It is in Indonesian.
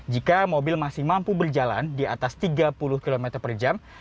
jika mobil masih mampu berjalan di atas tiga puluh km per jam